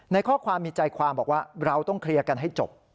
ในข้อความมีใจความบอกว่าเราต้องเคลียร์กันให้จบ